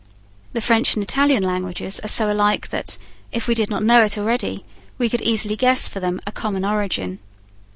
The French and Italian languages are so alike that, if we did not know it already, we could easily guess for them a common origin.